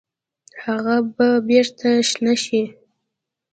هغه به بیرته شنه شي؟